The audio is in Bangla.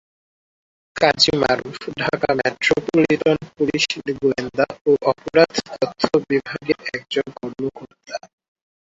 কাজী মারুফ ঢাকা মেট্রোপলিটন পুলিশের গোয়েন্দা ও অপরাধ তথ্য বিভাগের একজন কর্মকর্তা।